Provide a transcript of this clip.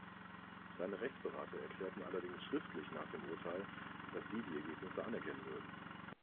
Seine Rechtsberater erklärten allerdings schriftlich nach dem Urteil, dass sie die Ergebnisse anerkennen würden.